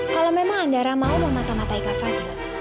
kalau memang andara mau mematah matahi kak fadil